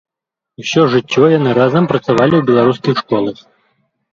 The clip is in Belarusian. Усё жыццё яны разам працавалі ў беларускіх школах.